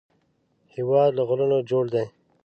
هېواد له غرونو جوړ دی